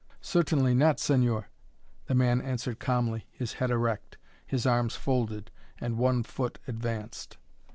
"Certainly not, señor," the man answered calmly, his head erect, his arms folded, and one foot advanced.